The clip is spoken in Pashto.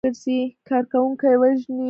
کارکوونکي وژني.